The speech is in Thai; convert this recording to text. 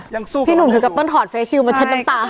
สู้พี่หนุ่มถึงกับต้นถอดเฟชิลมาเช็ดน้ำตา